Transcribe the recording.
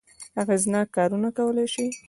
اغېزناک کارونه کولای شي.